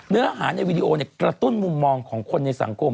เนื้อหาในวีดีโอกระตุ้นมุมมองของคนในสังคม